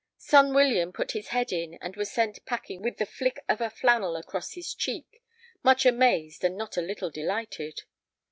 Son William put his head in, and was sent packing with the flick of a flannel across his cheek, much amazed and not a little delighted.